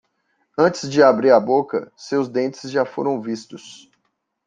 Antes de abrir a boca, seus dentes já foram vistos.